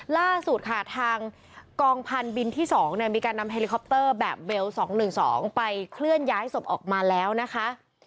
ล่าสุดค่ะทางกองพันธุ์บินที่๒มีการนำเฮลิคอปเตอร์แบบเบล๒๑๒ไปเคลื่อนย้ายศพออกมาแล้วนะคะ